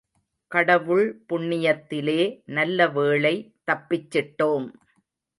கடவுள் புண்ணியத்திலே நல்ல வேளை தப்பிச்சிட்டோம்.